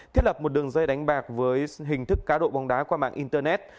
thiết lập một đường dây đánh bạc với hình thức cá độ bóng đá qua mạng internet